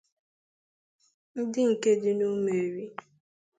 ndị nke dị n'Umueri